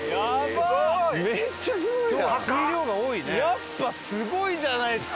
やっぱすごいじゃないですか！